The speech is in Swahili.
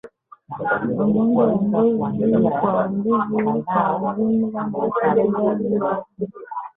Magonjwa ya ngozi kwa mbuzi kwa jumla na usambaaji wake